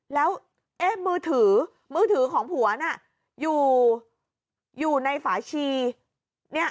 แล้วมือถือของผัวน่ะอยู่ในฝาชี